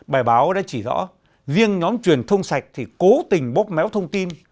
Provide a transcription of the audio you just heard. bài báo đã chỉ rõ riêng nhóm truyền thông sạch thì cố tình bóp méo thông tin